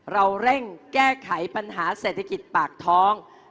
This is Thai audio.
เราเร่งแก้ไขปัญหาเศรษฐกิจปากท้อง